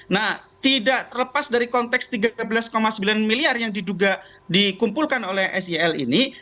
nah tidak terlepas dari konteks tiga belas sembilan miliar yang diduga dikumpulkan oleh sel ini